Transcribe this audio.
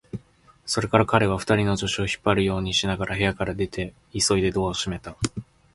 それから彼は、二人の助手を引っ張るようにしながら部屋から出て、急いでドアを閉めた。